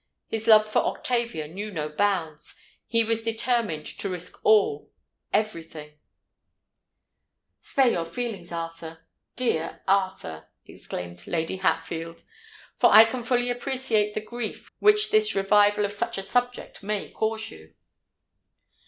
His love for Octavia knew no bounds—he was determined to risk all—every thing——" "Spare your feelings, Arthur—dear Arthur!" exclaimed Lady Hatfield; "for I can fully appreciate the grief which this revival of such a subject must cause you!"